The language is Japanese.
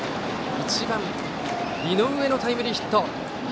１番、井上のタイムリーヒット。